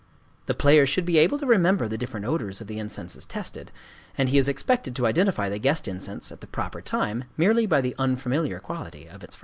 The player should be able to remember the different odors of the incenses tested; and he is expected to identify the guest incense at the proper time merely by the unfamiliar quality of its fragrance.